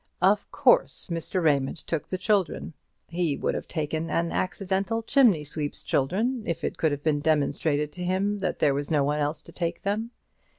Of course Mr. Raymond took the children; he would have taken an accidental chimney sweep's children, if it could have been demonstrated to him that there was no one else to take them.